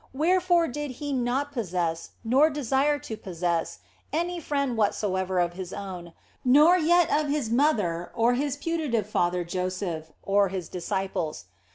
Where fore did He not possess, nor desire to possess, any friend whatsoever of His own, nor yet of His mother or His putative father Joseph, or His disciples.